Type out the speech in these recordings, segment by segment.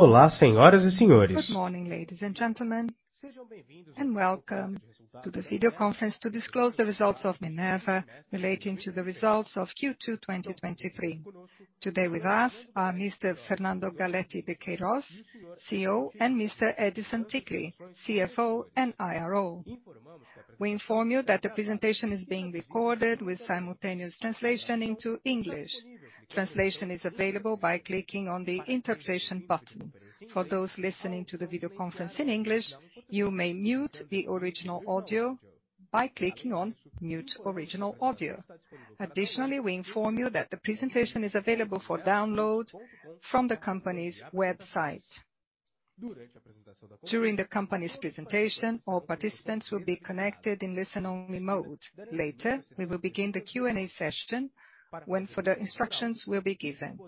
Olá, senhoras e senhores! Good morning, ladies and gentlemen, and welcome to the video conference to disclose the results of Minerva, relating to the results of Q2, 2023. Today with us are Mr. Fernando Galletti de Queiroz, CEO, and Mr. Edison Ticle, CFO and IRO. We inform you that the presentation is being recorded with simultaneous translation into English. Translation is available by clicking on the interpretation button. For those listening to the video conference in English, you may mute the original audio by clicking on Mute Original Audio. Additionally, we inform you that the presentation is available for download from the company's website. During the company's presentation, all participants will be connected in listen-only mode. Later, we will begin the Q&A session, when further instructions will be given.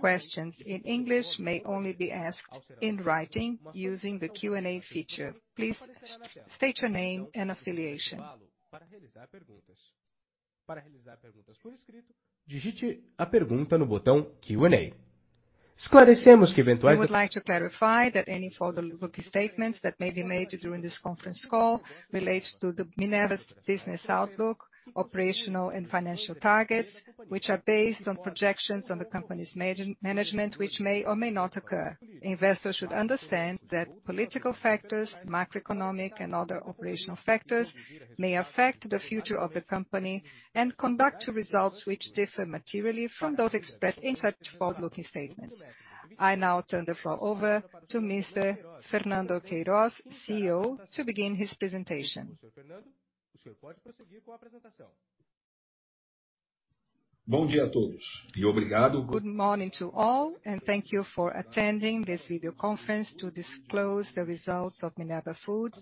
Questions in English may only be asked in writing using the Q&A feature. Please state your name and affiliation. We would like to clarify that any further looking statements that may be made during this conference call relate to the Minerva's business outlook, operational and financial targets, which are based on projections on the company's management, which may or may not occur. Investors should understand that political factors, macroeconomic and other operational factors may affect the future of the company and conduct to results which differ materially from those expressed in such forward-looking statements. I now turn the floor over to Mr. Fernando Queiroz, CEO, to begin his presentation. Good morning to all, and thank you for attending this video conference to disclose the results of Minerva Foods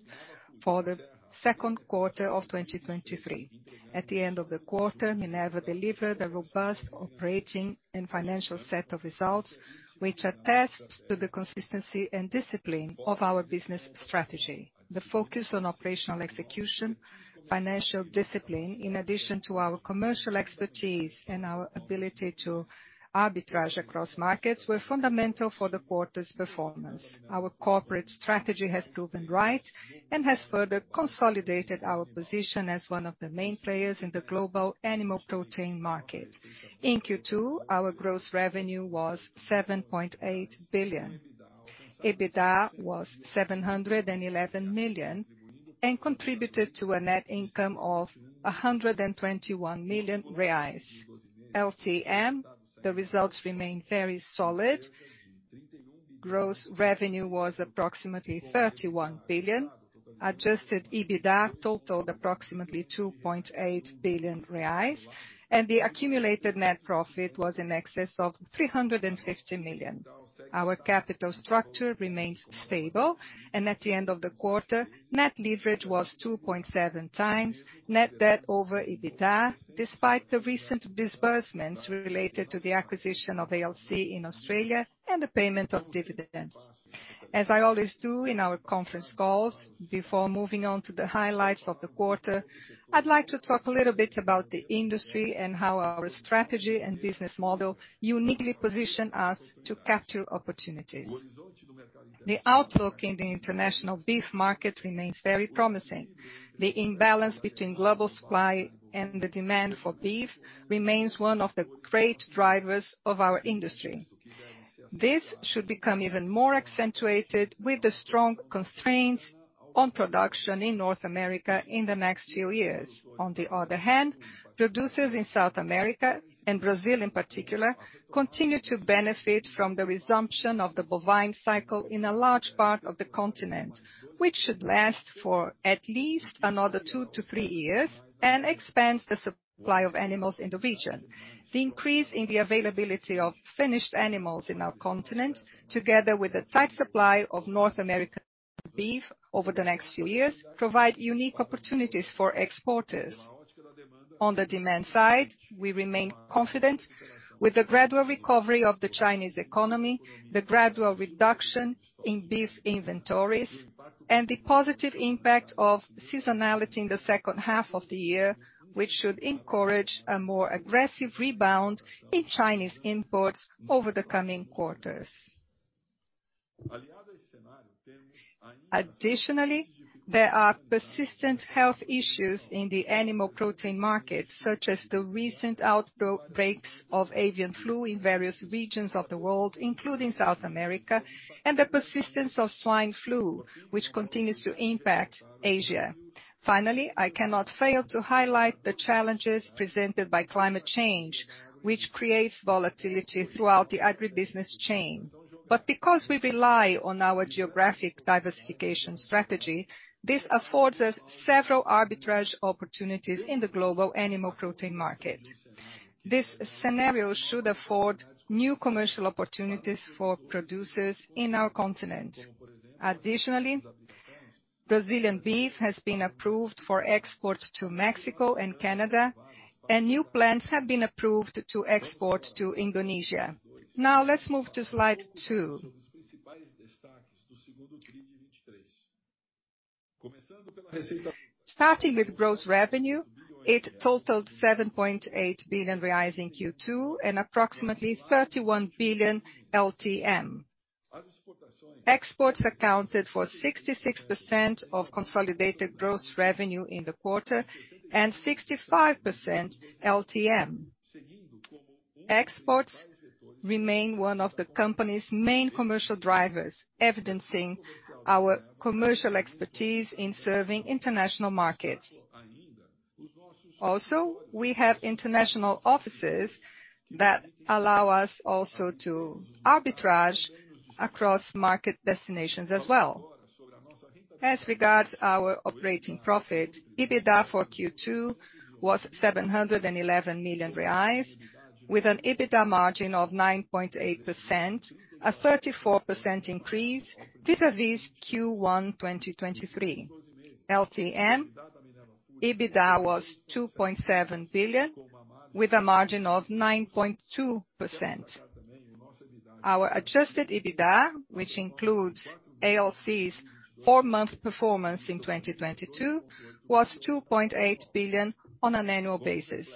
for the Q2 of 2023. At the end of the quarter, Minerva delivered a robust operating and financial set of results, which attests to the consistency and discipline of our business strategy. The focus on operational execution, financial discipline, in addition to our commercial expertise and our ability to arbitrage across markets, were fundamental for the quarter's performance. Our corporate strategy has proven right and has further consolidated our position as one of the main players in the global animal protein market. In Q2, our gross revenue was 7.8 billion. EBITDA was 711 million and contributed to a net income of 121 million reais. LTM, the results remain very solid. Gross revenue was approximately 31 billion. Adjusted EBITDA totaled approximately 2.8 billion reais, and the accumulated net profit was in excess of 350 million. Our capital structure remains stable, and at the end of the quarter, net leverage was 2.7 times, net debt over EBITDA, despite the recent disbursements related to the acquisition of ALC in Australia and the payment of dividends. As I always do in our conference calls, before moving on to the highlights of the quarter, I'd like to talk a little bit about the industry and how our strategy and business model uniquely position us to capture opportunities. The outlook in the international beef market remains very promising. The imbalance between global supply and the demand for beef remains one of the great drivers of our industry. This should become even more accentuated with the strong constraints on production in North America in the next few years. On the other hand, producers in South America, and Brazil in particular, continue to benefit from the resumption of the bovine cycle in a large part of the continent, which should last for at least another two-three years and expands the supply of animals in the region. The increase in the availability of finished animals in our continent, together with the tight supply of North American beef over the next few years, provide unique opportunities for exporters. On the demand side, we remain confident with the gradual recovery of the Chinese economy, the gradual reduction in beef inventories, and the positive impact of seasonality in the second half of the year, which should encourage a more aggressive rebound in Chinese imports over the coming quarters. Additionally, there are persistent health issues in the animal protein market, such as the recent outbreaks of avian flu in various regions of the world, including South America, and the persistence of swine flu, which continues to impact Asia. Finally, I cannot fail to highlight the challenges presented by climate change, which creates volatility throughout the agribusiness chain. Because we rely on our geographic diversification strategy, this affords us several arbitrage opportunities in the global animal protein market. This scenario should afford new commercial opportunities for producers in our continent. Additionally, Brazilian beef has been approved for export to Mexico and Canada, and new plants have been approved to export to Indonesia. Let's move to slide two. Starting with gross revenue, it totaled 7.8 billion reais in Q2, and approximately 31 billion BRL LTM. Exports accounted for 66% of consolidated gross revenue in the quarter, and 65% LTM. Exports remain one of the company's main commercial drivers, evidencing our commercial expertise in serving international markets. Also, we have international offices that allow us also to arbitrage across market destinations as well. As regards our operating profit, EBITDA for Q2 was 711 million reais, with an EBITDA margin of 9.8%, a 34% increase vis-à-vis Q1, 2023. LTM, EBITDA was 2.7 billion, with a margin of 9.2%. Our adjusted EBITDA, which includes ALC's four-month performance in 2022, was 2.8 billion on an annual basis.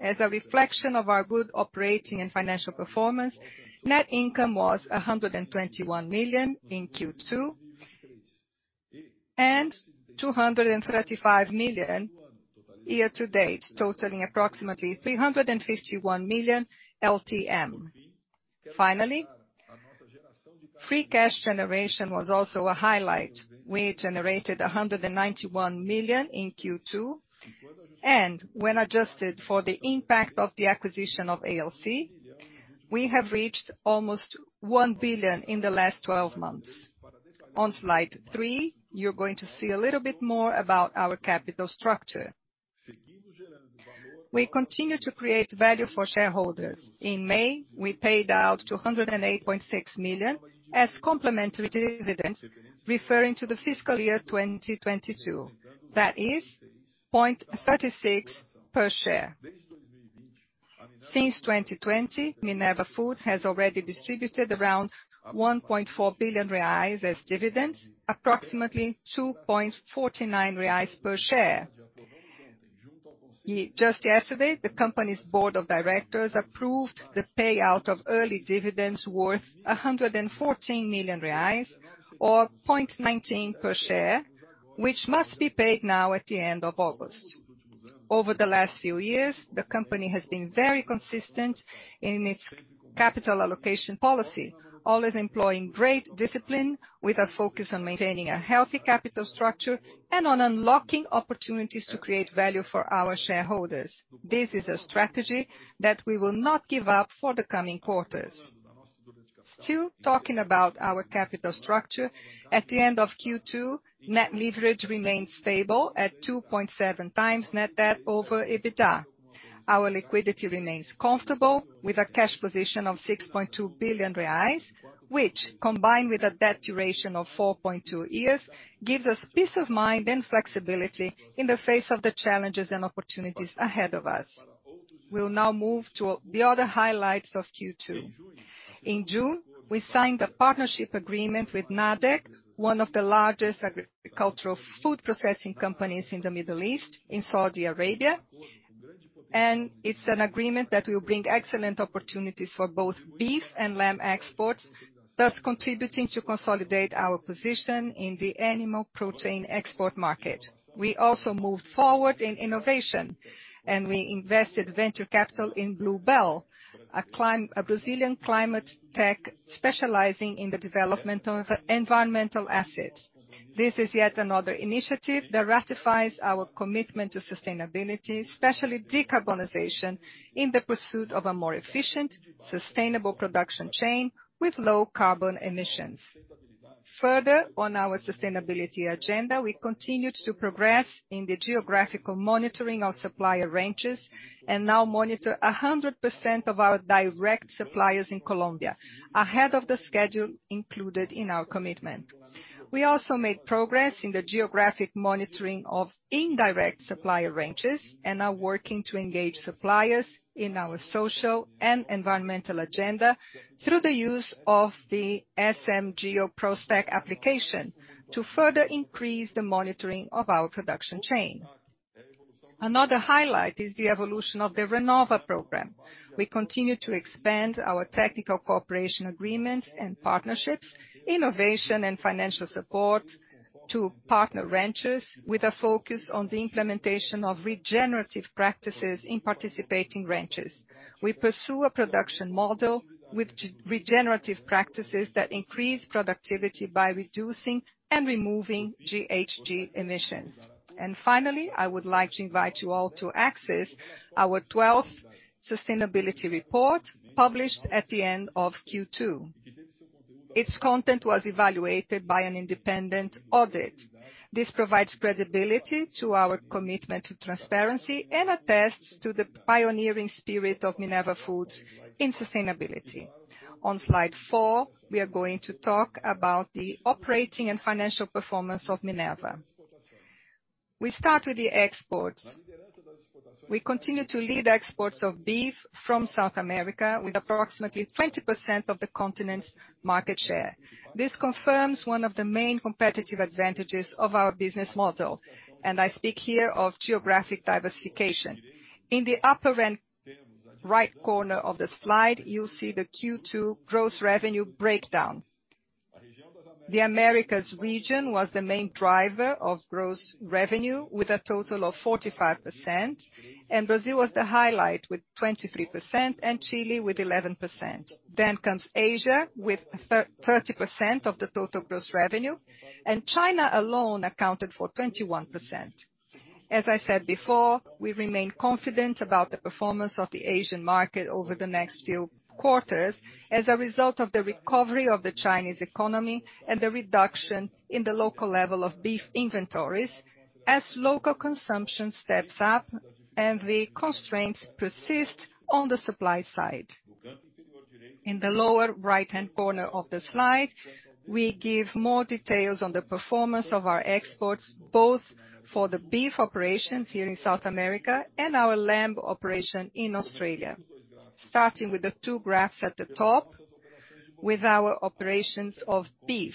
As a reflection of our good operating and financial performance, net income was 121 million in Q2, and 235 million year to date, totaling approximately 351 million LTM. Finally, free cash generation was also a highlight. We generated 191 million in Q2, and when adjusted for the impact of the acquisition of ALC, we have reached almost 1 billion in the last twelve months. On slide three, you're going to see a little bit more about our capital structure. We continue to create value for shareholders. In May, we paid out 208.6 million as complementary dividends, referring to the fiscal year 2022, that is, 0.36 per share. Since 2020, Minerva Foods has already distributed around 1.4 billion reais as dividends, approximately 2.49 reais per share. Just yesterday, the company's board of directors approved the payout of early dividends worth R$114 million, or R$0.19 per share, which must be paid now at the end of August. Over the last few years, the company has been very consistent in its capital allocation policy, always employing great discipline, with a focus on maintaining a healthy capital structure and on unlocking opportunities to create value for our shareholders. This is a strategy that we will not give up for the coming quarters. Still talking about our capital structure, at the end of Q2, net leverage remained stable at 2.7x net debt over EBITDA. Our liquidity remains comfortable, with a cash position of 6.2 billion reais, which, combined with a debt duration of four point two years, gives us peace of mind and flexibility in the face of the challenges and opportunities ahead of us. We'll now move to the other highlights of Q2. In June, we signed a partnership agreement with NADEC, one of the largest agricultural food processing companies in the Middle East, in Saudi Arabia, and it's an agreement that will bring excellent opportunities for both beef and lamb exports, thus contributing to consolidate our position in the animal protein export market. We also moved forward in innovation, and we invested venture capital in Bluebell, a Brazilian climate tech specializing in the development of environmental assets. This is yet another initiative that ratifies our commitment to sustainability, especially decarbonization, in the pursuit of a more efficient, sustainable production chain with low carbon emissions. Further, on our sustainability agenda, we continued to progress in the geographical monitoring of supplier ranches, and now monitor 100% of our direct suppliers in Colombia, ahead of the schedule included in our commitment. We also made progress in the geographic monitoring of indirect supplier ranches, and are working to engage suppliers in our social and environmental agenda through the use of the SMGeo Prospec application to further increase the monitoring of our production chain. Another highlight is the evolution of the Renove program. We continue to expand our technical cooperation agreements and partnerships, innovation and financial support to partner ranchers, with a focus on the implementation of regenerative practices in participating ranchers. We pursue a production model with regenerative practices that increase productivity by reducing and removing GHG emissions. Finally, I would like to invite you all to access our 12th sustainability report, published at the end of Q2. Its content was evaluated by an independent audit. This provides credibility to our commitment to transparency, and attests to the pioneering spirit of Minerva Foods in sustainability. On slide four, we are going to talk about the operating and financial performance of Minerva. We start with the exports. We continue to lead exports of beef from South America, with approximately 20% of the continent's market share. This confirms one of the main competitive advantages of our business model, and I speak here of geographic diversification. In the upper end, right corner of the slide, you'll see the Q2 gross revenue breakdown. The Americas region was the main driver of gross revenue, with a total of 45%. Brazil was the highlight, with 23%, Chile with 11%. Asia, with 30% of the total gross revenue. China alone accounted for 21%. As I said before, we remain confident about the performance of the Asian market over the next few quarters, as a result of the recovery of the Chinese economy and the reduction in the local level of beef inventories, as local consumption steps up and the constraints persist on the supply side. In the lower right-hand corner of the slide, we give more details on the performance of our exports, both for the beef operations here in South America and our lamb operation in Australia. Starting with the two graphs at the top, with our operations of beef,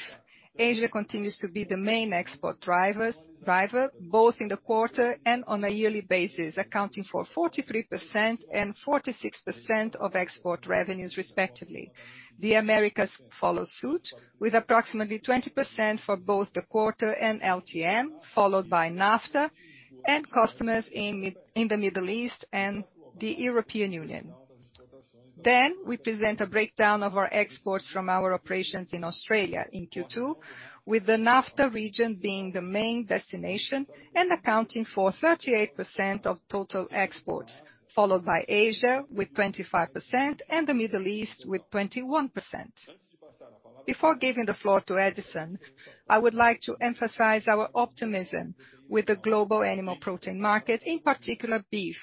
Asia continues to be the main export driver, both in the quarter and on a yearly basis, accounting for 43% and 46% of export revenues, respectively. The Americas follow suit, with approximately 20% for both the quarter and LTM, followed by NAFTA and customers in the Middle East and the European Union. We present a breakdown of our exports from our operations in Australia in Q2, with the NAFTA region being the main destination and accounting for 38% of total exports, followed by Asia with 25% and the Middle East with 21%. Before giving the floor to Edison, I would like to emphasize our optimism with the global animal protein market, in particular, beef.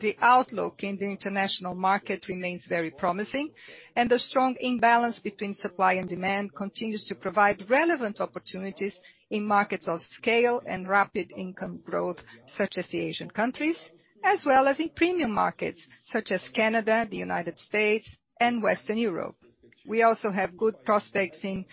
The outlook in the international market remains very promising, and the strong imbalance between supply and demand continues to provide relevant opportunities in markets of scale and rapid income growth, such as the Asian countries, as well as in premium markets such as Canada, the United States, and Western Europe. We also have good prospects in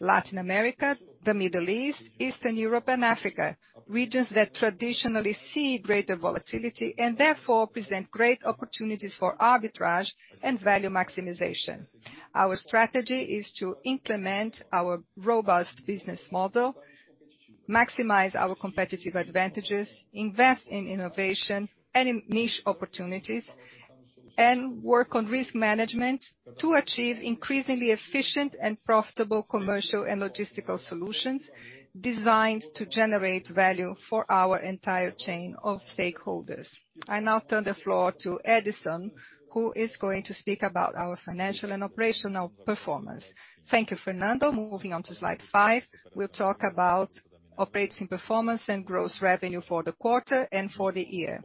Latin America, the Middle East, Eastern Europe, and Africa, regions that traditionally see greater volatility and therefore present great opportunities for arbitrage and value maximization. Our strategy is to implement our robust business model, maximize our competitive advantages, invest in innovation and in niche opportunities, and work on risk management to achieve increasingly efficient and profitable commercial and logistical solutions designed to generate value for our entire chain of stakeholders. I now turn the floor to Edison, who is going to speak about our financial and operational performance. Thank you, Fernando. Moving on to slide five, we'll talk about operating performance and gross revenue for the quarter and for the year.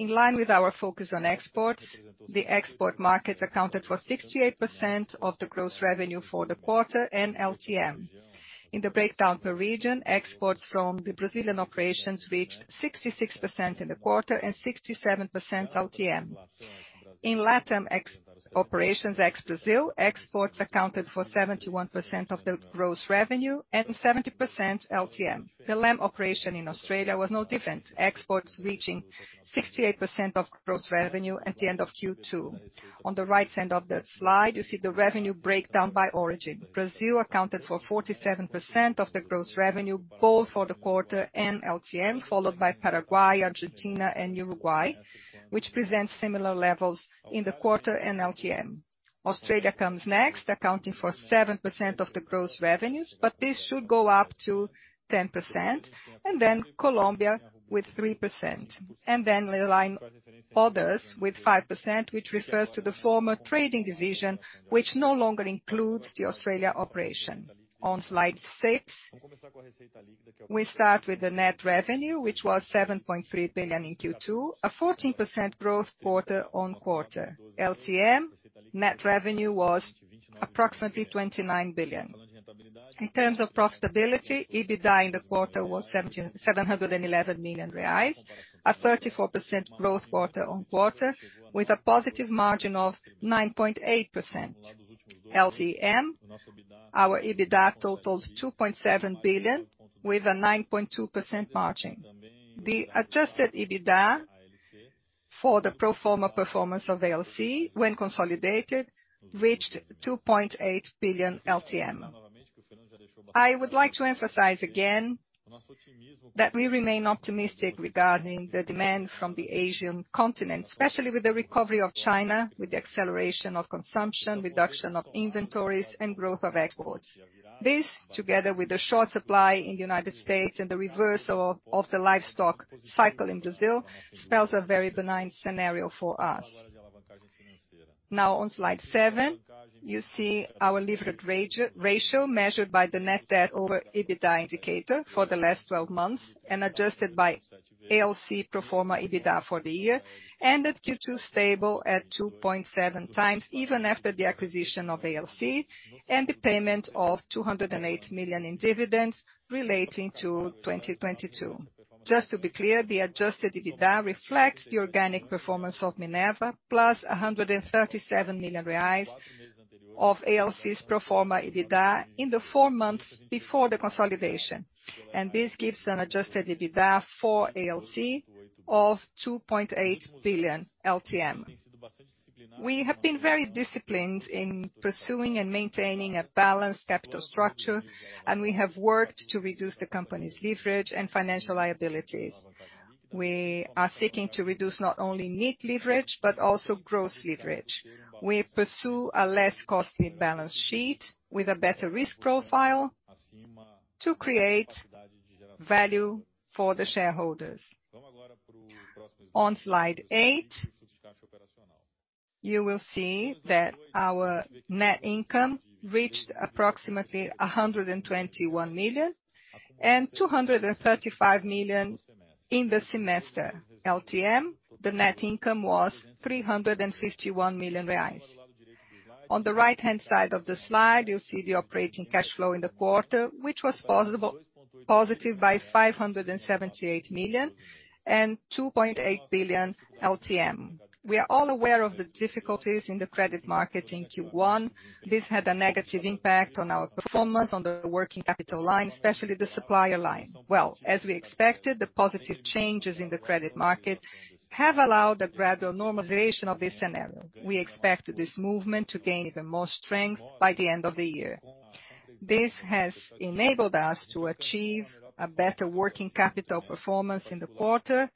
In line with our focus on exports, the export market accounted for 68% of the gross revenue for the quarter and LTM. In the breakdown per region, exports from the Brazilian operations reached 66% in the quarter and 67% LTM. In Latam ex operations, ex-Brazil, exports accounted for 71% of the gross revenue and 70% LTM. The lamb operation in Australia was no different, exports reaching 68% of gross revenue at the end of Q2. On the right side of that slide, you see the revenue breakdown by origin. Brazil accounted for 47% of the gross revenue, both for the quarter and LTM, followed by Paraguay, Argentina, and Uruguay, which presents similar levels in the quarter and LTM. Australia comes next, accounting for 7% of the gross revenues, but this should go up to 10%, and then Colombia with 3%, and then the line others with 5%, which refers to the former trading division, which no longer includes the Australia operation. On slide 6, we start with the net revenue, which was 7.3 billion in Q2, a 14% growth quarter-on-quarter. LTM, net revenue was approximately 29 billion. In terms of profitability, EBITDA in the quarter was 711 million reais, a 34% growth quarter-on-quarter, with a positive margin of 9.8%. LTM, our EBITDA totals 2.7 billion, with a 9.2% margin. The adjusted EBITDA for the pro forma performance of ALC, when consolidated, reached 2.8 billion LTM. I would like to emphasize again that we remain optimistic regarding the demand from the Asian continent, especially with the recovery of China, with the acceleration of consumption, reduction of inventories, and growth of exports. This, together with the short supply in the United States and the reversal of the livestock cycle in Brazil, spells a very benign scenario for us. On slide seven, you see our leverage ratio measured by the net debt over EBITDA indicator for the last 12 months, and adjusted by ALC pro forma EBITDA for the year, ended Q2 stable at 2.7 times, even after the acquisition of ALC and the payment of $208 million in dividends relating to 2022. Just to be clear, the adjusted EBITDA reflects the organic performance of Minerva, plus 137 million reais of ALC's pro forma EBITDA in the four months before the consolidation. This gives an adjusted EBITDA for ALC of 2.8 billion LTM. We have been very disciplined in pursuing and maintaining a balanced capital structure, we have worked to reduce the company's leverage and financial liabilities. We are seeking to reduce not only net leverage, but also gross leverage. We pursue a less costly balance sheet with a better risk profile to create value for the shareholders. On slide eight, you will see that our net income reached approximately 121 million and 235 million in the semester. LTM, the net income was 351 million reais. On the right-hand side of the slide, you'll see the operating cash flow in the quarter, which was positive by $578 million and $2.8 billion LTM. We are all aware of the difficulties in the credit market in Q1. This had a negative impact on our performance on the working capital line, especially the supplier line. As we expected, the positive changes in the credit market have allowed a gradual normalization of this scenario. We expect this movement to gain even more strength by the end of the year. This has enabled us to achieve a better working capital performance in the quarter,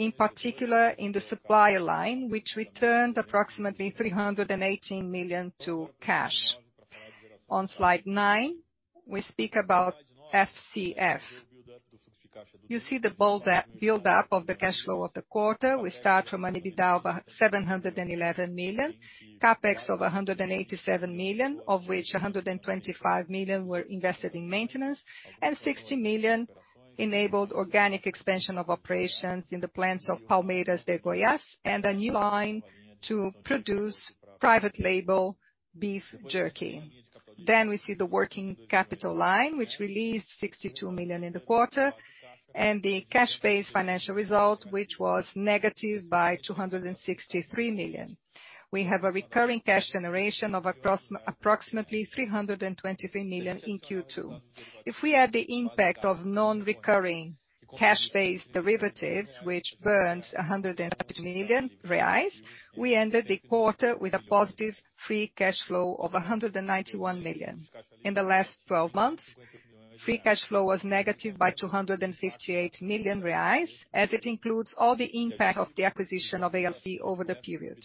in particular in the supplier line, which returned approximately $318 million to cash. On slide nine, we speak about FCF. You see the bold build-up of the cash flow of the quarter. We start from an EBITDA of 711 million, CapEx of 187 million, of which 125 million were invested in maintenance, and 60 million enabled organic expansion of operations in the plants of Palmeiras de Goiás, and a new line to produce private label beef jerky. We see the working capital line, which released 62 million in the quarter, and the cash-based financial result, which was negative by 263 million. We have a recurring cash generation of approximately 323 million in Q2. If we add the impact of non-recurring cash-based derivatives, which burned 130 million reais, we ended the quarter with a positive free cash flow of 191 million. In the last 12 months, free cash flow was negative by 258 million reais, as it includes all the impact of the acquisition of ALC over the period.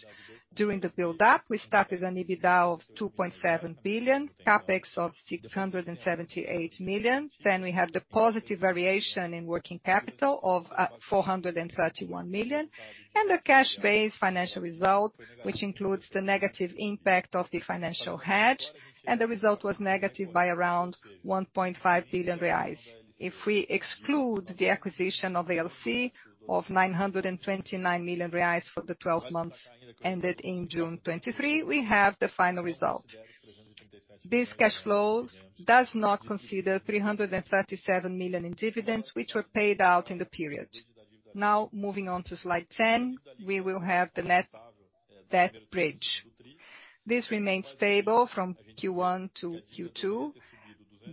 During the build-up, we started an EBITDA of 2.7 billion, CapEx of 678 million. We had the positive variation in working capital of 431 million, and a cash-based financial result, which includes the negative impact of the financial hedge, and the result was negative by around 1.5 billion reais. If we exclude the acquisition of ALC of 929 million reais for the 12 months ended in June 2023, we have the final result. These cash flows does not consider 337 million in dividends, which were paid out in the period. Now, moving on to slide 10, we will have the net debt bridge. This remains stable from Q1-Q2,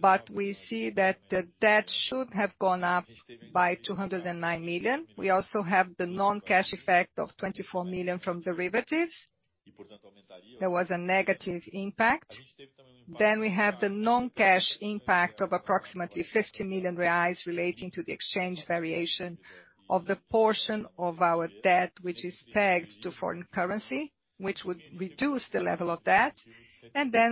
but we see that the debt should have gone up by 209 million. We also have the non-cash effect of 24 million from derivatives. There was a negative impact. We have the non-cash impact of approximately 50 million reais, relating to the exchange variation of the portion of our debt, which is pegged to foreign currency, which would reduce the level of debt.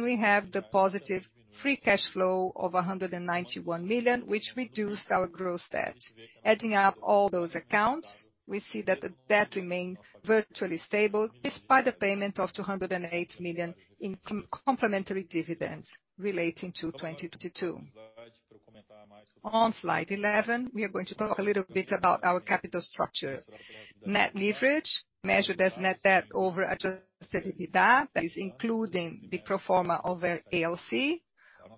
We have the positive free cash flow of 191 million, which reduced our gross debt. Adding up all those accounts, we see that the debt remained virtually stable, despite the payment of 208 million in complementary dividends relating to 2022. On slide 11, we are going to talk a little bit about our capital structure. Net leverage, measured as net debt over adjusted EBITDA, that is including the pro forma over ALC,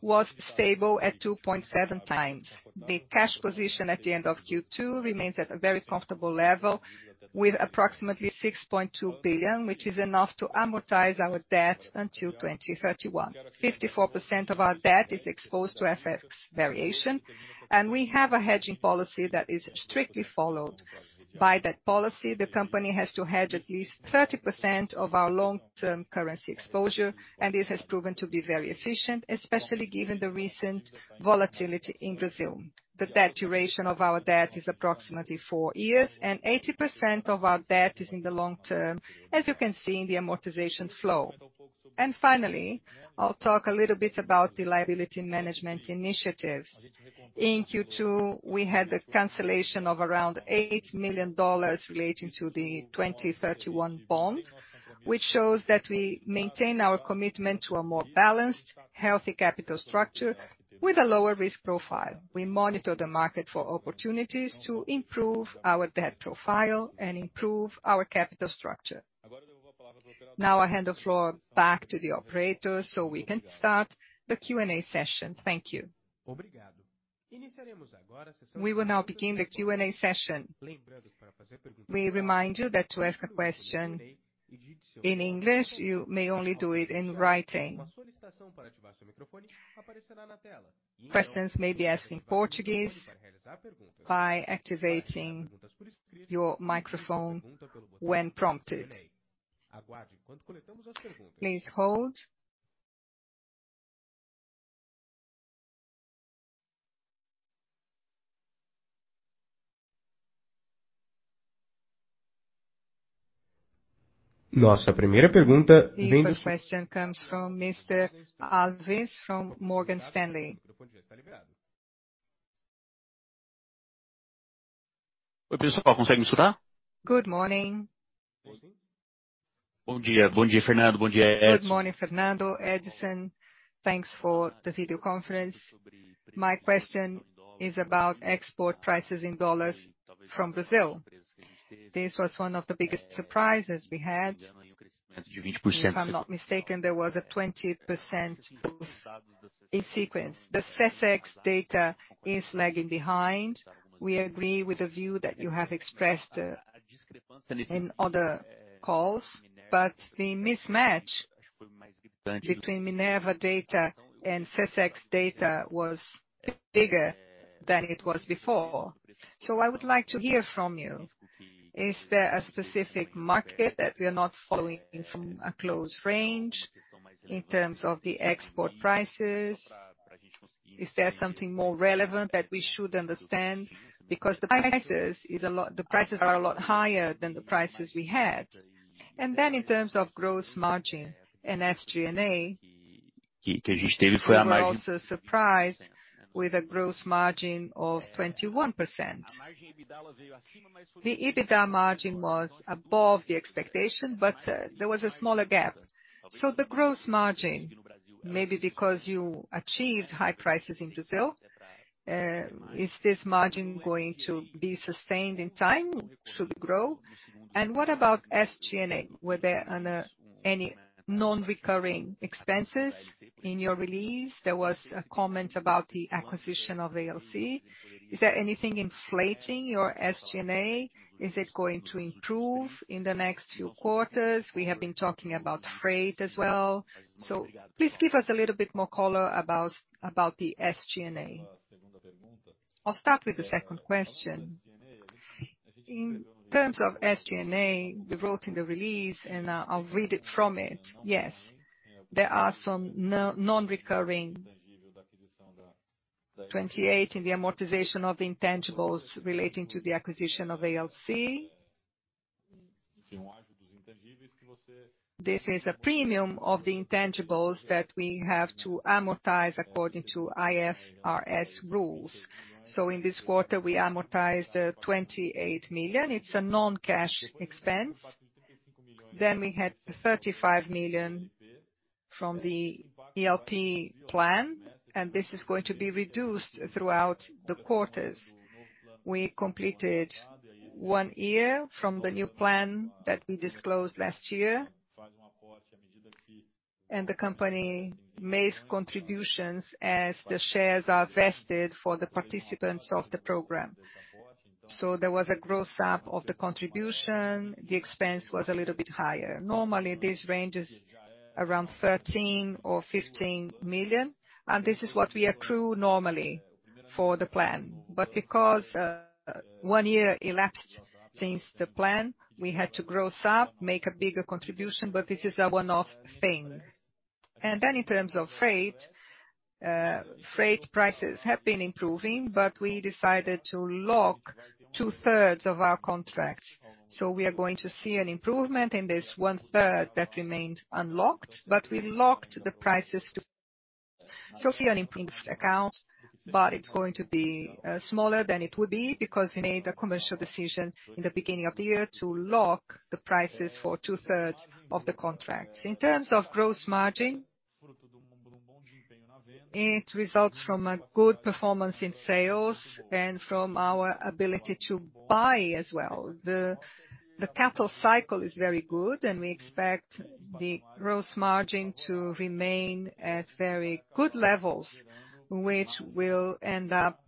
was stable at 2.7x. The cash position at the end of Q2 remains at a very comfortable level, with approximately $6.2 billion, which is enough to amortize our debt until 2031. 54% of our debt is exposed to FX variation, we have a hedging policy that is strictly followed. By that policy, the company has to hedge at least 30% of our long-term currency exposure, and this has proven to be very efficient, especially given the recent volatility in Brazil. The debt duration of our debt is approximately four years, and 80% of our debt is in the long term, as you can see in the amortization flow. Finally-... I'll talk a little bit about the liability management initiatives. In Q2, we had the cancellation of around $8 million relating to the 2031 bond, which shows that we maintain our commitment to a more balanced, healthy capital structure with a lower risk profile. We monitor the market for opportunities to improve our debt profile and improve our capital structure. Now, I hand the floor back to the operator, so we can start the Q&A session. Thank you. We will now begin the Q&A session. We remind you that to ask a question in English, you may only do it in writing. Questions may be asked in Portuguese by activating your microphone when prompted. Please hold. The first question comes from Mr. Ricardo Alves, from Morgan Stanley. Good morning, Fernando, Edison. Thanks for the video conference. My question is about export prices in dollars from Brazil. This was one of the biggest surprises we had. If I'm not mistaken, there was a 20% in sequence. The SESC data is lagging behind. We agree with the view that you have expressed, in other calls, but the mismatch between Minerva data and SESC data was bigger than it was before. I would like to hear from you, is there a specific market that we are not following from a close range in terms of the export prices? Is there something more relevant that we should understand? The prices are a lot higher than the prices we had. Then in terms of gross margin and SG&A, we were also surprised with a gross margin of 21%. The EBITDA margin was above the expectation, there was a smaller gap. The gross margin, maybe because you achieved high prices in Brazil, is this margin going to be sustained in time, should grow? What about SG&A? Were there any non-recurring expenses in your release? There was a comment about the acquisition of ALC. Is there anything inflating your SG&A? Is it going to improve in the next few quarters? We have been talking about freight as well. Please give us a little bit more color about, about the SG&A. I'll start with the second question. In terms of SG&A, we wrote in the release, and I'll read it from it. Yes, there are some non-recurring... 28 in the amortization of the intangibles relating to the acquisition of ALC. This is a premium of the intangibles that we have to amortize according to IFRS rules. In this quarter, we amortized 28 million. It's a non-cash expense. We had 35 million from the ILP plan, and this is going to be reduced throughout the quarters. We completed one year from the new plan that we disclosed last year, and the company makes contributions as the shares are vested for the participants of the program. There was a gross-up of the contribution. The expense was a little bit higher. Normally, this range is around 13 million-15 million, and this is what we accrue normally for the plan. Because one year elapsed since the plan, we had to gross-up, make a bigger contribution, but this is a one-off thing. Then in terms of freight, freight prices have been improving, but we decided to lock 2/3 of our contracts. We are going to see an improvement in this 1/3 that remains unlocked, but we locked the prices to... We are an improved account, but it's going to be smaller than it would be because we made a commercial decision in the beginning of the year to lock the prices for 2/3 of the contract. In terms of gross margin, it results from a good performance in sales and from our ability to buy as well. The cattle cycle is very good, and we expect the gross margin to remain at very good levels, which will end up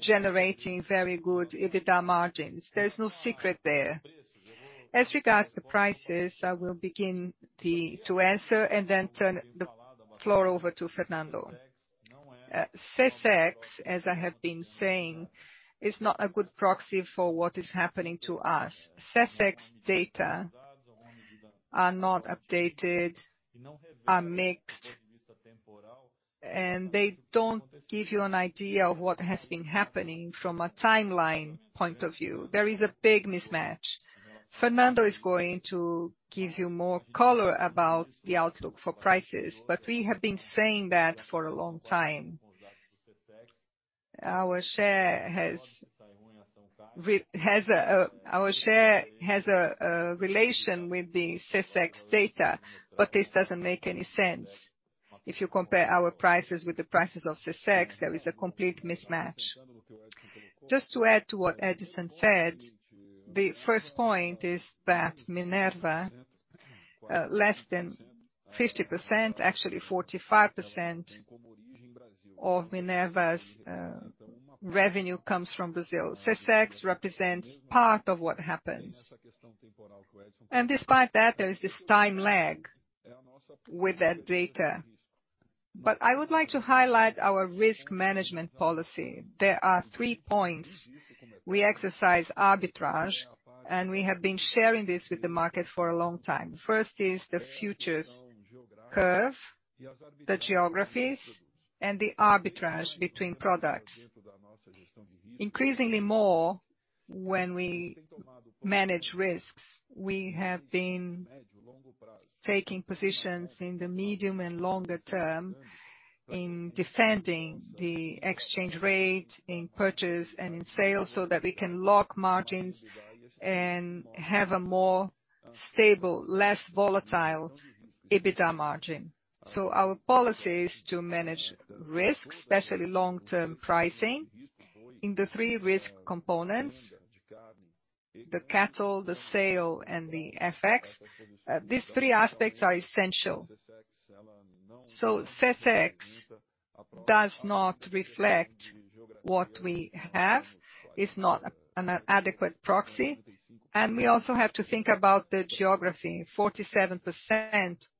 generating very good EBITDA margins. There's no secret there. As regards to prices, I will begin to answer and then turn the floor over to Fernando. SESC, as I have been saying, is not a good proxy for what is happening to us. SESC data are not updated, are mixed. They don't give you an idea of what has been happening from a timeline point of view. There is a big mismatch. Fernando is going to give you more color about the outlook for prices, but we have been saying that for a long time. Our share has a relation with the CEPEA data, but this doesn't make any sense. If you compare our prices with the prices of CEPEA, there is a complete mismatch. Just to add to what Edison said, the first point is that Minerva, less than 50%, actually 45% of Minerva's revenue comes from Brazil. CEPEA represents part of what happens. Despite that, there is this time lag with that data. I would like to highlight our risk management policy. There are three points. We exercise arbitrage, and we have been sharing this with the market for a long time. First is the futures curve, the geographies, and the arbitrage between products. Increasingly more, when we manage risks, we have been taking positions in the medium and longer term in defending the exchange rate, in purchase and in sales, so that we can lock margins and have a more stable, less volatile, EBITDA margin. Our policy is to manage risks, especially long-term pricing in the three risk components: the cattle, the sale, and the FX. These three aspects are essential. CapEx does not reflect what we have, it's not an adequate proxy, and we also have to think about the geography. 47%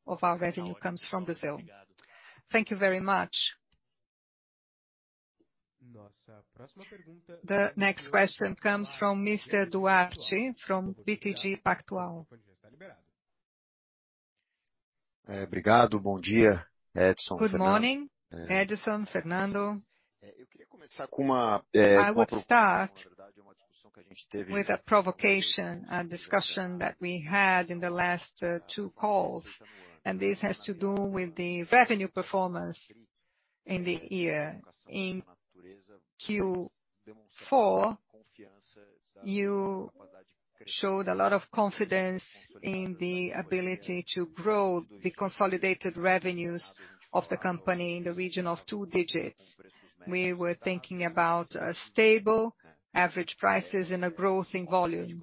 of our revenue comes from Brazil. Thank you very much. The next question comes from Mr. Thiago Duarte from BTG Pactual. Good morning, Edison, Fernando. I would start with a provocation, a discussion that we had in the last two calls. This has to do with the revenue performance in the year. In Q4, you showed a lot of confidence in the ability to grow the consolidated revenues of the company in the region of two digits. We were thinking about stable average prices and a growth in volume.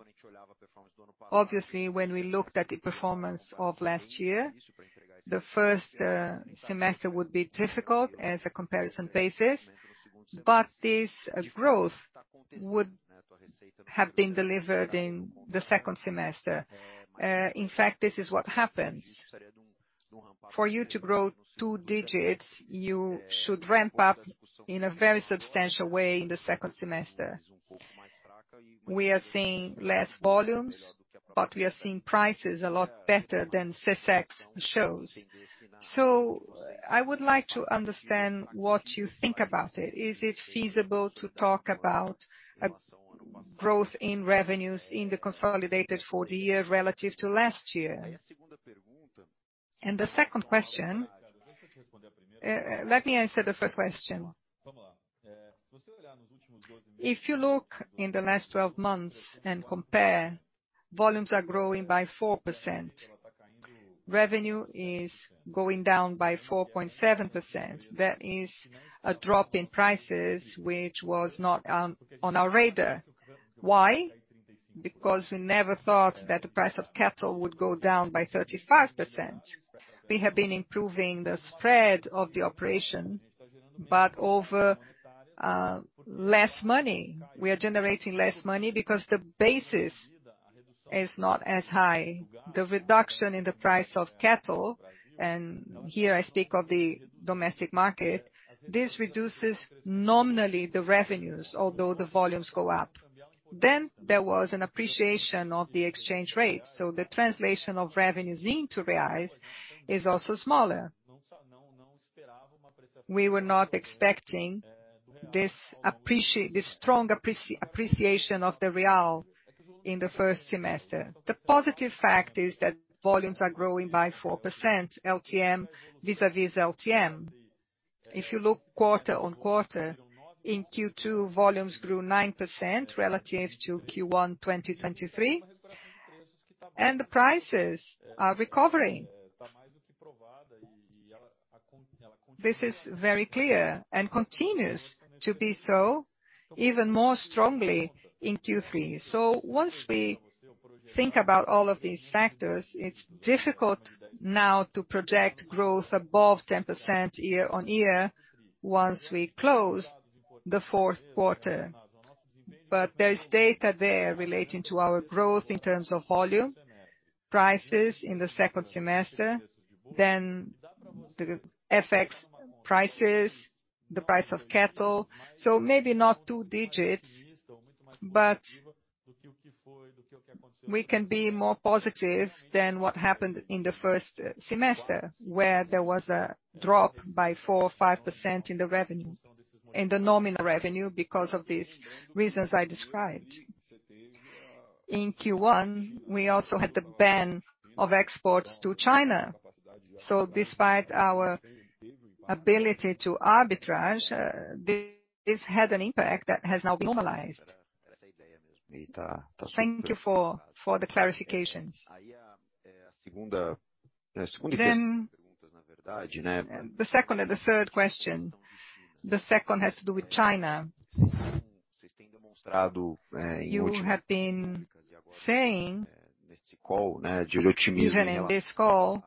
Obviously, when we looked at the performance of last year, the first semester would be difficult as a comparison basis. This growth would have been delivered in the second semester. In fact, this is what happens. For you to grow two digits, you should ramp up in a very substantial way in the second semester. We are seeing less volumes. We are seeing prices a lot better than Cepex shows. I would like to understand what you think about it. Is it feasible to talk about a growth in revenues in the consolidated for the year relative to last year? The second question, let me answer the first question. If you look in the last 12 months and compare, volumes are growing by 4%. Revenue is going down by 4.7%. That is a drop in prices, which was not on our radar. Why? Because we never thought that the price of cattle would go down by 35%. We have been improving the spread of the operation, over less money. We are generating less money because the basis is not as high. The reduction in the price of cattle, and here I speak of the domestic market, this reduces nominally the revenues, although the volumes go up. There was an appreciation of the exchange rate, so the translation of revenues into reais is also smaller. We were not expecting this strong appreciation of the real in the first semester. The positive fact is that volumes are growing by 4%, LTM vis-à-vis LTM. If you look quarter-on-quarter, in Q2, volumes grew 9% relative to Q1, 2023, and the prices are recovering. This is very clear and continues to be so, even more strongly in Q3. Once we think about all of these factors, it's difficult now to project growth above 10% year-on-year once we close the Q4. There is data there relating to our growth in terms of volume, prices in the second semester, then the FX prices, the price of cattle. Maybe not two digits, but. We can be more positive than what happened in the first semester, where there was a drop by 4% or 5% in the revenue, in the nominal revenue, because of these reasons I described. In Q1, we also had the ban of exports to China. Despite our ability to arbitrage, this had an impact that has now been normalized. Thank you for, for the clarifications. The second and the third question. The second has to do with China. You have been saying even in this call,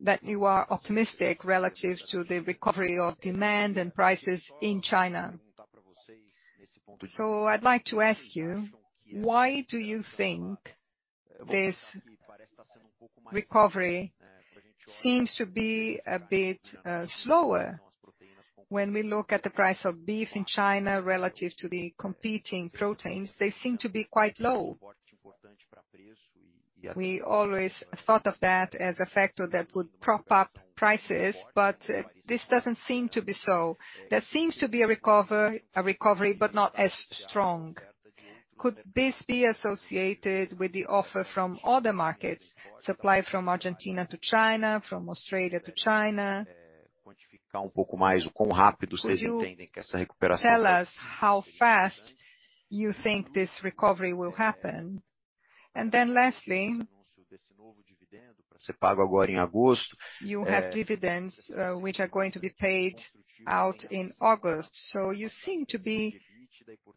that you are optimistic relative to the recovery of demand and prices in China. I'd like to ask you, why do you think this recovery seems to be a bit slower? When we look at the price of beef in China relative to the competing proteins, they seem to be quite low. We always thought of that as a factor that would prop up prices, but this doesn't seem to be so. There seems to be a recovery, but not as strong. Could this be associated with the offer from other markets, supply from Argentina to China, from Australia to China? Could you tell us how fast you think this recovery will happen? Lastly, you have dividends, which are going to be paid out in August. You seem to be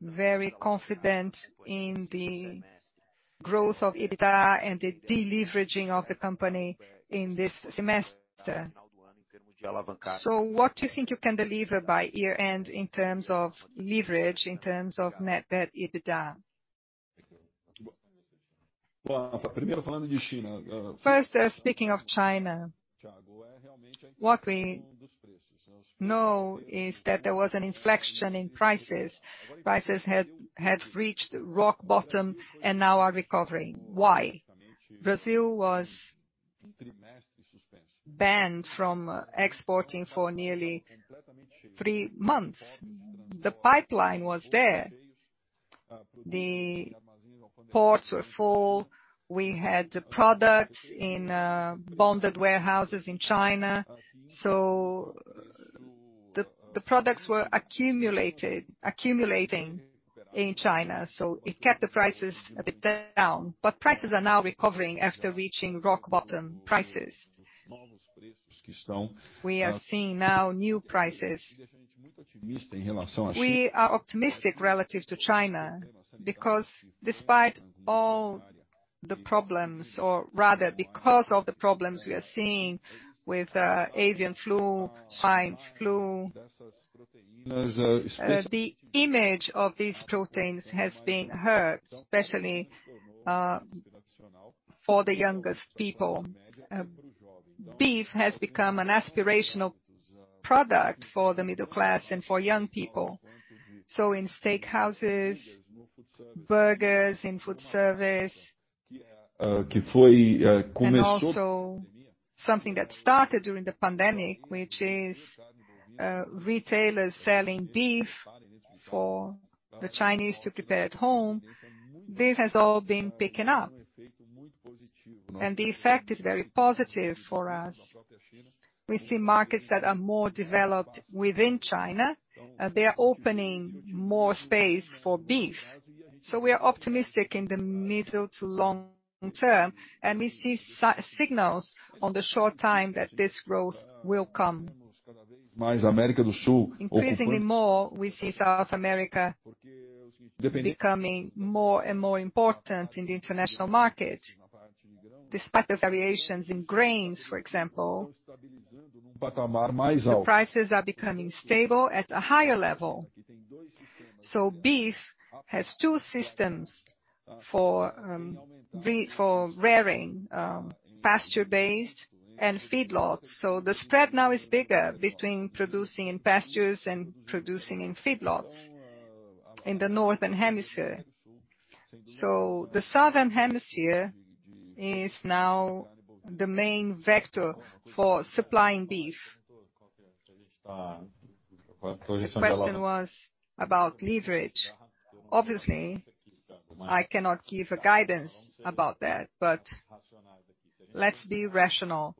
very confident in the growth of EBITDA and the deleveraging of the company in this semester. What do you think you can deliver by year-end in terms of leverage, in terms of net debt EBITDA? First, speaking of China, what we know is that there was an inflection in prices. Prices had reached rock bottom and now are recovering. Why? Brazil was banned from exporting for nearly three months. The pipeline was there. The ports were full, we had the products in bonded warehouses in China, so the products were accumulated, accumulating in China, so it kept the prices a bit down. Prices are now recovering after reaching rock bottom prices. We are seeing now new prices. We are optimistic relative to China because despite all the problems, or rather because of the problems we are seeing with avian flu, swine flu, the image of these proteins has been hurt, especially for the youngest people. Beef has become an aspirational product for the middle class and for young people. In steakhouses, burgers, in food service, and also something that started during the pandemic, which is retailers selling beef for the Chinese to prepare at home, this has all been picking up, and the effect is very positive for us. We see markets that are more developed within China, they are opening more space for beef. We are optimistic in the middle to long term, and we see signals on the short time that this growth will come. Increasingly more, we see South America becoming more and more important in the international market. Despite the variations in grains, for example, the prices are becoming stable at a higher level. Beef has two systems for rearing, pasture-based and feedlots. The spread now is bigger between producing in pastures and producing in feedlots in the Northern Hemisphere. The Southern Hemisphere is now the main vector for supplying beef. The question was about leverage. Obviously, I cannot give a guidance about that, but let's be rational.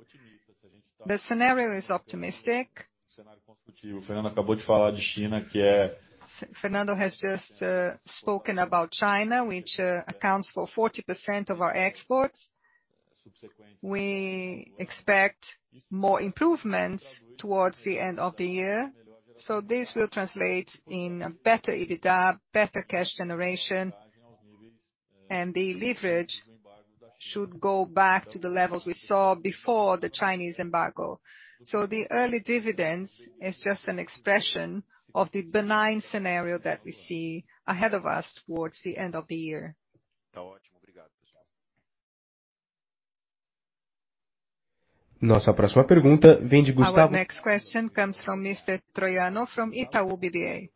The scenario is optimistic. Fernando has just spoken about China, which accounts for 40% of our exports. We expect more improvements towards the end of the year, this will translate in a better EBITDA, better cash generation, and the leverage should go back to the levels we saw before the Chinese embargo. The early dividends is just an expression of the benign scenario that we see ahead of us towards the end of the year. Our next question comes from Mr. Gustavo Troyano from Itaú BBA.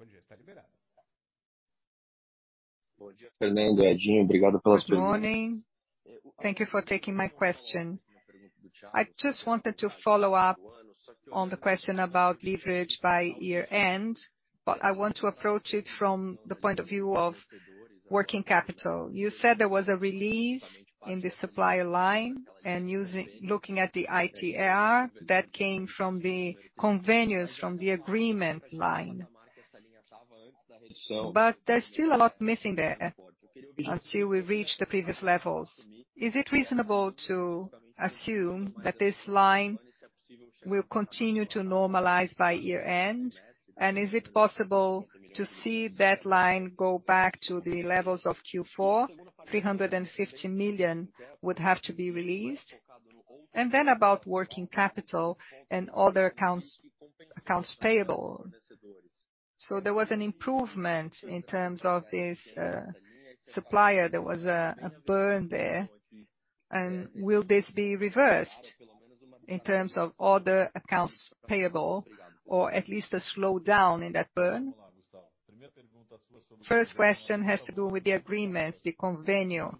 Good morning. Thank you for taking my question. I just wanted to follow up on the question about leverage by year-end, but I want to approach it from the point of view of working capital. You said there was a release in the supplier line, and using-- looking at the ITAR that came from the convenio from the agreement line. There's still a lot missing there until we reach the previous levels. Is it reasonable to assume that this line will continue to normalize by year-end? Is it possible to see that line go back to the levels of Q4, 350 million would have to be released? About working capital and other accounts, accounts payable. There was an improvement in terms of this supplier. There was a burn there. Will this be reversed in terms of other accounts payable, or at least a slowdown in that burn? First question has to do with the agreements, the convenio.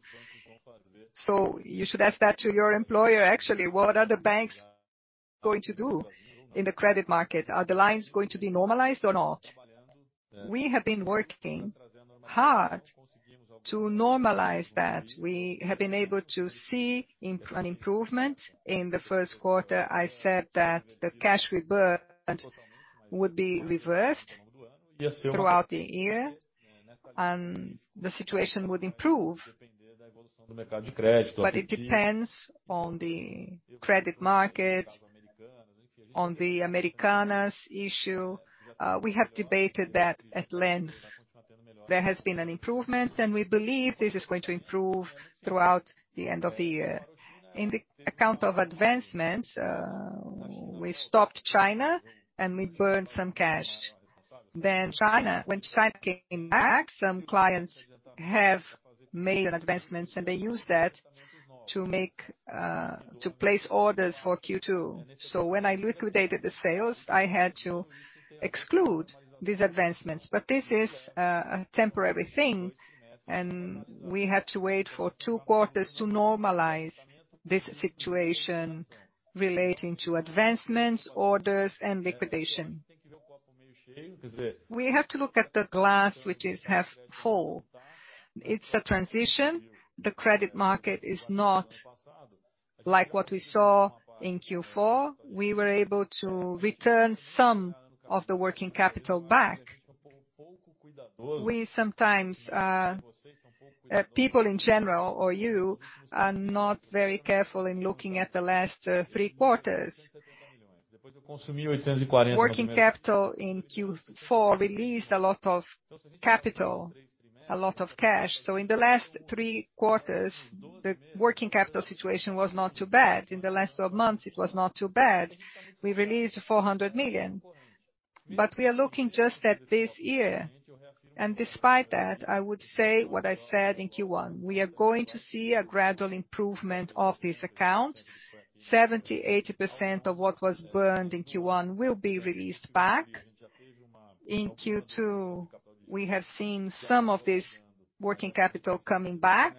You should ask that to your employer, actually, what are the banks going to do in the credit market? Are the lines going to be normalized or not? We have been working hard to normalize that. We have been able to see an improvement. In the Q1, I said that the cash we burned would be reversed throughout the year, and the situation would improve. It depends on the credit market, on the Americanas issue. We have debated that at length. There has been an improvement, and we believe this is going to improve throughout the end of the year. In the account of advancements, we stopped China, and we burned some cash. China, when China came back, some clients have made advancements, and they use that to make, to place orders for Q2. When I liquidated the sales, I had to exclude these advancements, but this is a temporary thing, and we have to wait for two quarters to normalize this situation relating to advancements, orders, and liquidation. We have to look at the glass, which is half full. It's a transition. The credit market is not like what we saw in Q4. We were able to return some of the working capital back. We sometimes, people in general or you, are not very careful in looking at the last three quarters. Working capital in Q4 released a lot of capital, a lot of cash. In the last three quarters, the working capital situation was not too bad. In the last 12 months, it was not too bad. We released $400 million, we are looking just at this year. Despite that, I would say what I said in Q1, we are going to see a gradual improvement of this account. 70%-80% of what was burned in Q1 will be released back. In Q2, we have seen some of this working capital coming back,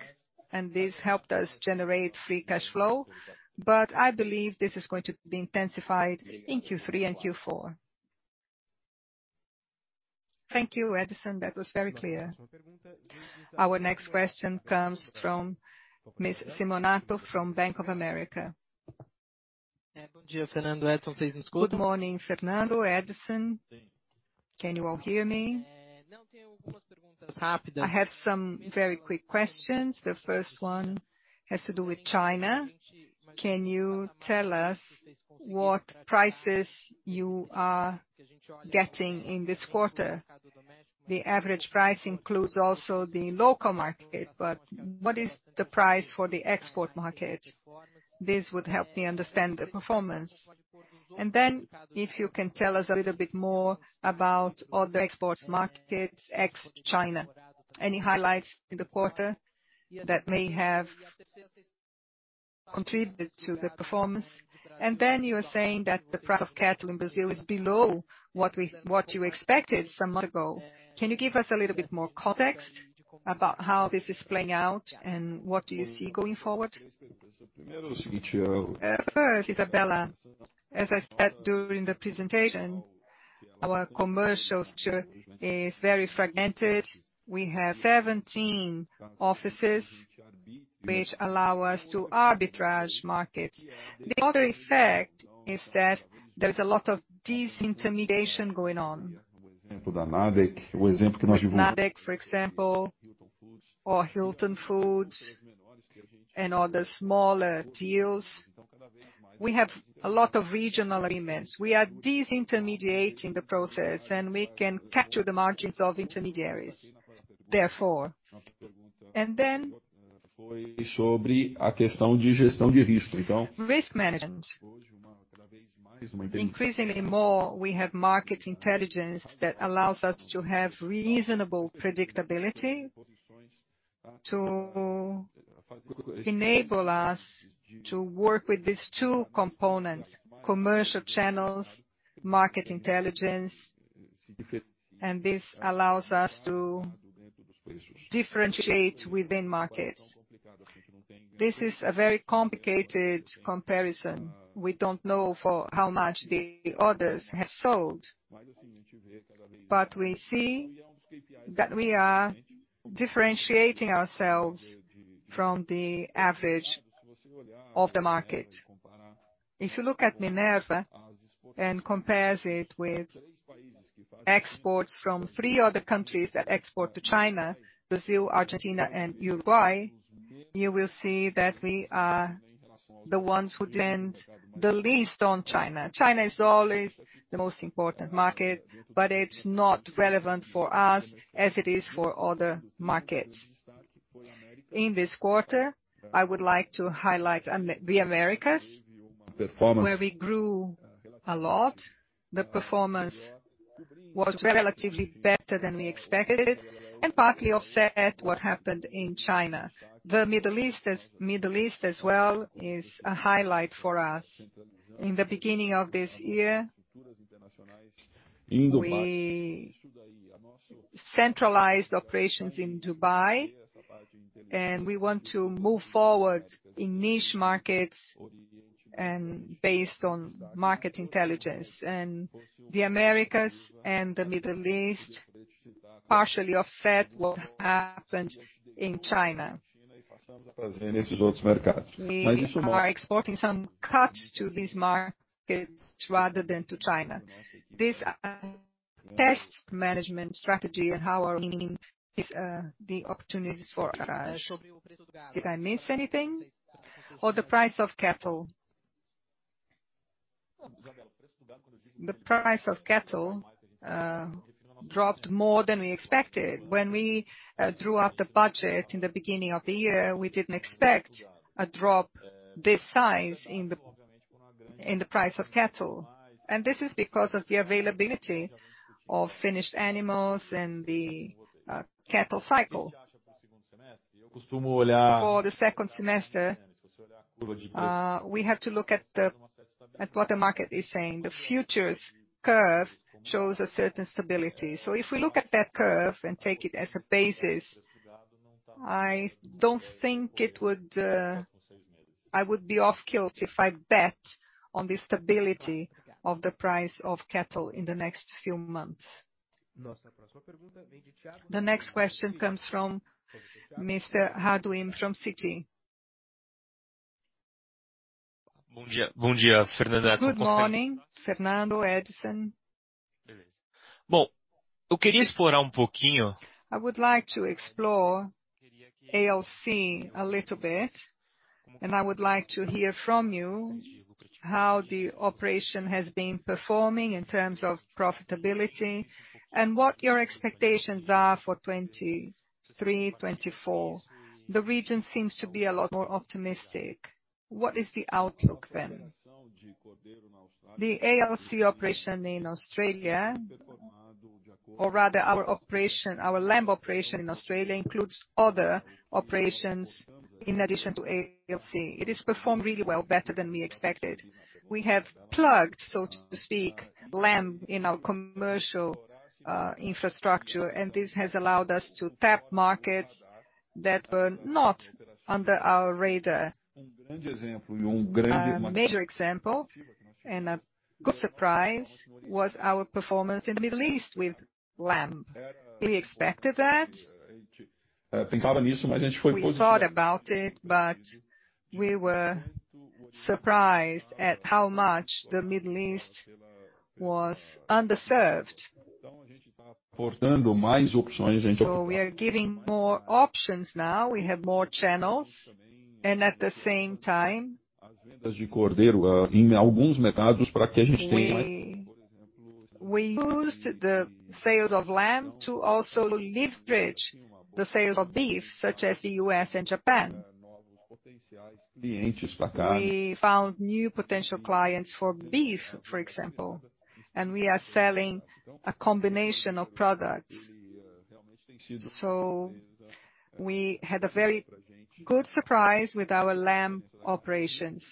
this helped us generate free cash flow, I believe this is going to be intensified in Q3 and Q4. Thank you, Edison. That was very clear. Our next question comes from Ms. Isabella Simonato from Bank of America. Good morning, Fernando, Edison. Can you all hear me? I have some very quick questions. The first one has to do with China. Can you tell us what prices you are getting in this quarter? The average price includes also the local market, what is the price for the export market? This would help me understand the performance. If you can tell us a little bit more about other exports markets, ex-China, any highlights in the quarter that may have contributed to the performance. You are saying that the price of cattle in Brazil is below what you expected some month ago. Can you give us a little bit more context about how this is playing out and what do you see going forward? First, Isabella, as I said during the presentation, our commercial structure is very fragmented. We have 17 offices, which allow us to arbitrage markets. The other effect is that there is a lot of disintermediation going on. NADEC, for example, or Hilton Foods and other smaller deals, we have a lot of regional agreements. We are disintermediating the process, and we can capture the margins of intermediaries, therefore. Then, risk management. Increasingly more, we have market intelligence that allows us to have reasonable predictability. To enable us to work with these two components: commercial channels, market intelligence, and this allows us to differentiate within markets. This is a very complicated comparison. We don't know for how much the others have sold, but we see that we are differentiating ourselves from the average of the market. If you look at Minerva and compares it with exports from 3 other countries that export to China, Brazil, Argentina, and Uruguay, you will see that we are the ones who depend the least on China. China is always the most important market, but it's not relevant for us as it is for other markets. In this quarter, I would like to highlight the Americas, where we grew a lot. The performance was relatively better than we expected, and partly offset what happened in China. The Middle East as well, is a highlight for us. In the beginning of this year, we centralized operations in Dubai, and we want to move forward in niche markets and based on market intelligence. The Americas and the Middle East, partially offset what happened in China. We are exporting some cuts to these markets rather than to China. This tests management strategy and how are winning is the opportunities for us. Did I miss anything? The price of cattle? The price of cattle dropped more than we expected. When we drew up the budget in the beginning of the year, we didn't expect a drop this size in the, in the price of cattle. This is because of the availability of finished animals and the cattle cycle. For the second semester, we have to look at what the market is saying. The futures curve shows a certain stability. If we look at that curve and take it as a basis, I don't think it would, I would be off kilter if I bet on the stability of the price of cattle in the next few months. The next question comes from Mr. Leandro Fontanesi from Citi. Good day, Fernando. Good morning, Fernando, Edison. Well, I would like to explore ALC a little bit, and I would like to hear from you how the operation has been performing in terms of profitability, and what your expectations are for 2023, 2024. The region seems to be a lot more optimistic. What is the outlook then? The ALC operation in Australia, or rather our operation, our lamb operation in Australia, includes other operations in addition to ALC. It has performed really well, better than we expected. We have plugged, so to speak, lamb in our commercial infrastructure, and this has allowed us to tap markets that were not under our radar. A major example, and a good surprise, was our performance in the Middle East with lamb. We expected that. We thought about it, but we were surprised at how much the Middle East was underserved. We are giving more options now, we have more channels, and at the same time, we used the sales of lamb to also lift bridge the sales of beef, such as the U.S. and Japan. We found new potential clients for beef, for example, and we are selling a combination of products. We had a very good surprise with our lamb operations.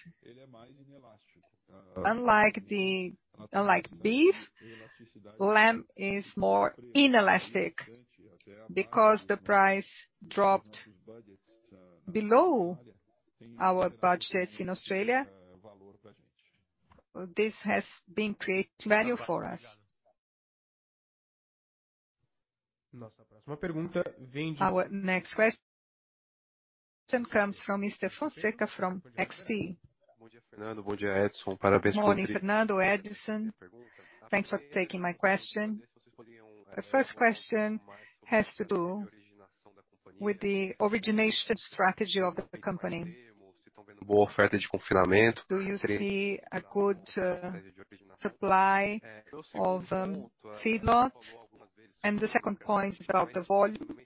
Unlike beef, lamb is more inelastic. Because the price dropped below our budgets in Australia, this has been creating value for us. Our next question comes from Mr. Leonardo Alencar from XP. Fernando, good day, Edison. Good morning, Fernando, Edison. Thanks for taking my question. The first question has to do with the origination strategy of the company. Do you see a good supply of feedlot? The second point is about the volume.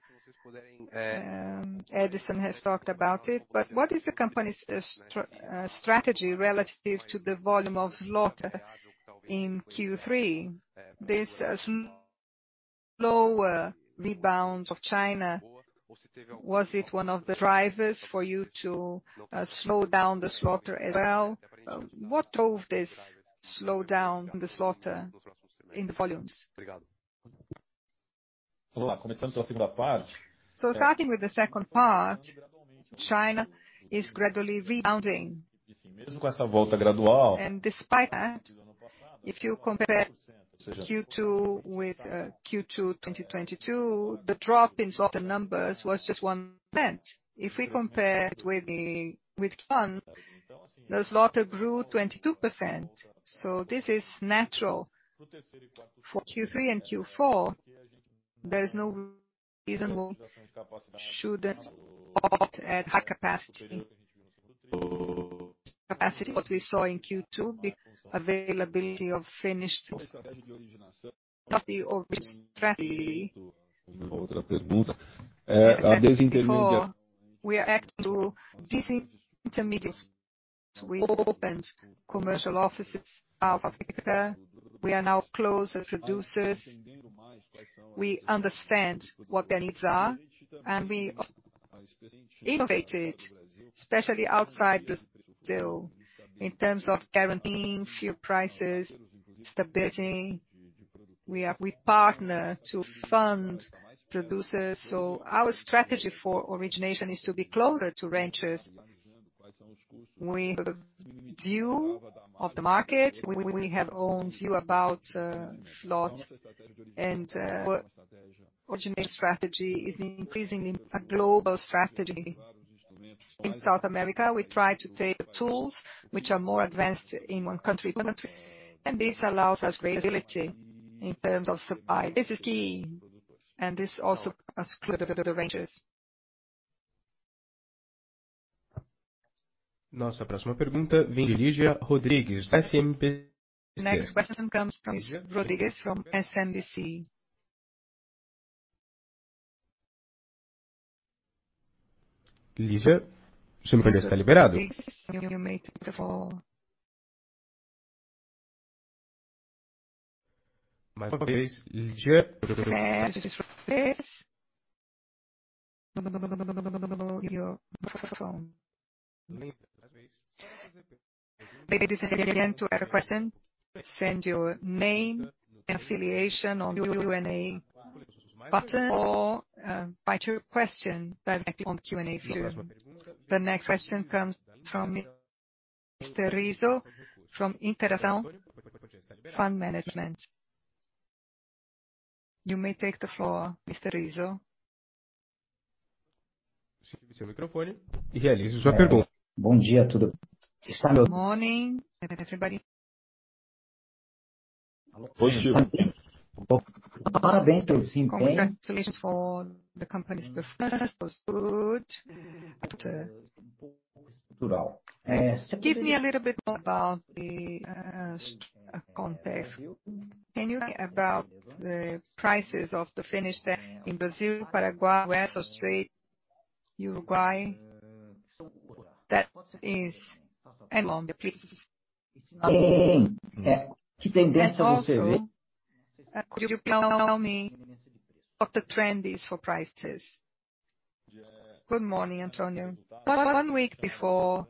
Edison has talked about it, what is the company's strategy relative to the volume of slaughter? In Q3, this slower rebound of China, was it one of the drivers for you to slow down the slaughter as well? What drove this slowdown in the slaughter in the volumes? Starting with the second part, China is gradually rebounding. Despite that, if you compare Q2 with Q2, 2022, the drop in slaughter numbers was just 1%. If we compare it with one, the slaughter grew 22%. This is natural. For Q3 and Q4, there's no reason we shouldn't operate at high capacity. Capacity, what we saw in Q2, the availability of finished We are adding to disintermediates. We opened commercial offices in South Africa. We are now closer to producers. We understand what their needs are. We innovated, especially outside Brazil, in terms of guaranteeing fair prices, stability. We partner to fund producers. Our strategy for origination is to be closer to ranchers. We have a view of the market. We, we have our own view about slot and what origination strategy is increasingly a global strategy. In South America, we try to take the tools which are more advanced in one country to another country, and this allows us great ability in terms of supply. This is key, and this also brings us closer to the ranchers. Next question comes from Rodriguez from SMBC. Ligia, you may take the floor. To ask a question, send your name and affiliation on the Q&A button, or write your question directly on the Q&A function. The next question comes from Mr. Renato Rizzuto from Inter-Ação Fund Management. You may take the floor, Mr. Rizzo. Good morning, everybody. Good morning. Congratulations for the company's performance, it was good. Give me a little bit more about the context. Can you about the prices of the finished in Brazil, Paraguay, West Australia, Uruguay? That is, and longer, please. Also, could you tell me what the trend is for prices? Good morning, Renato. One week before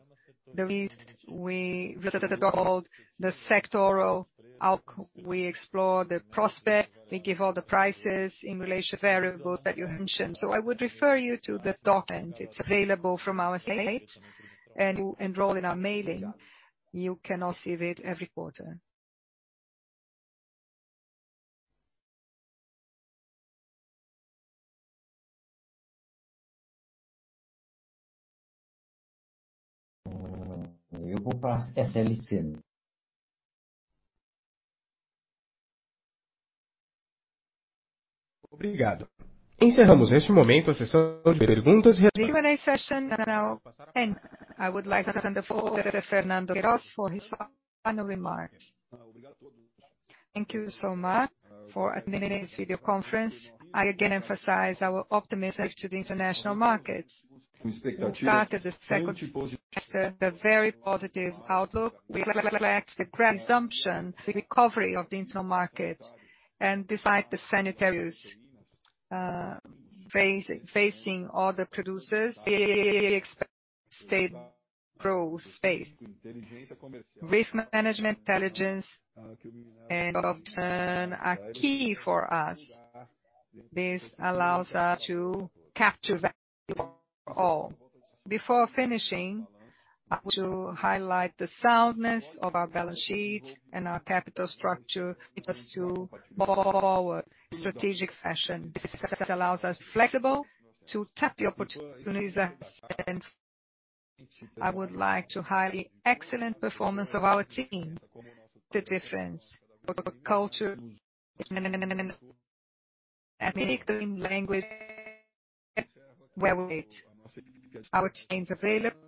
the release, we looked at all the sectoral outco-- We explore the prospect, we give all the prices in relation to variables that you mentioned. I would refer you to the document. It's available from our site, and to enroll in our mailing, you can receive it every quarter. The Q&A session is now end. I would like to turn the floor over to Fernando Queiroz for his final remarks. Thank you so much for attending this video conference. I again emphasize our optimism to the international markets. We started the second semester with a very positive outlook. We expect the consumption, the recovery of the internal market, and despite the sanitaries facing all the producers, we expect steady growth pace. Risk management, intelligence, and long-term are key for us. This allows us to capture value for all. Before finishing, I want to highlight the soundness of our balance sheet and our capital structure, allows us to move forward in a strategic fashion. This allows us flexible to tap the opportunities. I would like to highlight the excellent performance of our team, make the difference of our culture and team language. Well, our team is available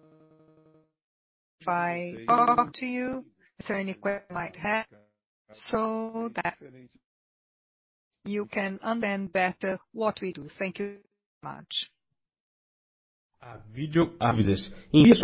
if I talk to you, if there are any questions you might have, so that you can understand better what we do. Thank you much. The video conference ends.